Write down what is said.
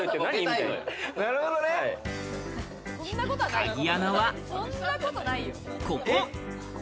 鍵穴は、ここ。